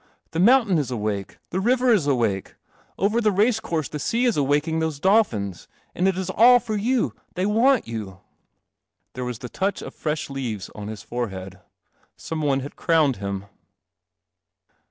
The mountain is awake, the river is awake, over the race course the sea is awaking those dolphins, and it is all for you. They want you " 82 Till : CI LEST] M. OMNIBUS There was the touch of fresh leaves on hi ehead. Some one had crowned him.